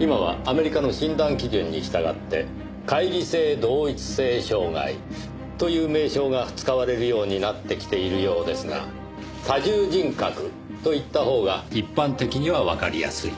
今はアメリカの診断基準に従って「解離性同一性障害」という名称が使われるようになってきているようですが「多重人格」と言ったほうが一般的にはわかりやすい。